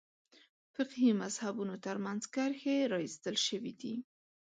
فقهي مذهبونو تر منځ کرښې راایستل شوې دي.